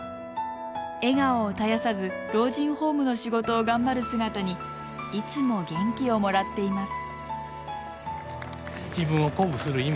笑顔を絶やさず老人ホームの仕事を頑張る姿にいつも元気をもらっています。